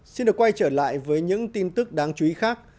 xin được quay trở lại với những tin tức đáng chú ý khác